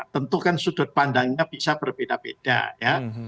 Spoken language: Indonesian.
tentu kan sudut pandangnya bisa berbeda beda ya